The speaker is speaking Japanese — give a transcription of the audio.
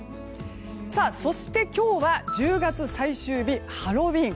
そして、今日は１０月最終日ハロウィーン。